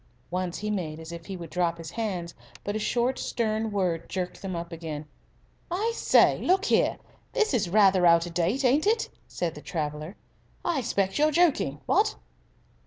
Once he made as if he would drop his hands, but a short, stern word jerked them up again. "I say, look here, this is rather out o' date, ain't it?" said the traveller. "I expect you're joking what?"